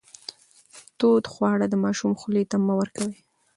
تود خواړه د ماشوم خولې ته مه ورکوئ.